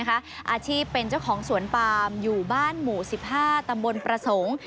อาชีพเป็นเจ้าของสวนปามอยู่บ้านหมู่๑๕ตำบลประสงค์